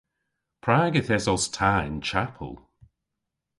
Prag yth esos ta y'n chapel?